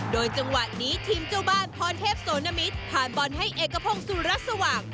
โดยจังหวะนี้ทีมเจ้าบ้านพรเทพโสนมิตรผ่านบอลให้เอกพงศูรัสสว่าง